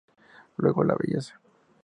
Luego, la belleza.